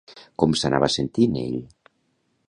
Com s'anava sentint ell?